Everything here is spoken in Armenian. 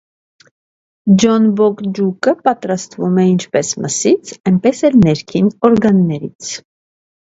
Ջոնբոկջուկը պատրաստվում է ինչպես մսից, այնպես էլ ներքին օրգաններից։